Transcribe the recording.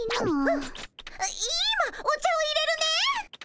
い今お茶をいれるね。